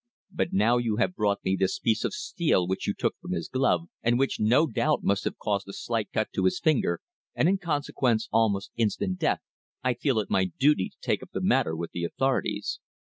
But now you have brought me this piece of steel which you took from his glove, and which no doubt must have caused a slight cut to his finger and, in consequence, almost instant death, I feel it my duty to take up the matter with the authorities."